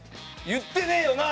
「言ってねえよな？」